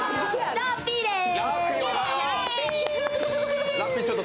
ラッピーです。